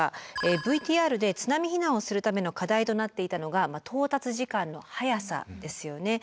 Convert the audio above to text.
ＶＴＲで津波避難をするための課題となっていたのが到達時間の早さですよね。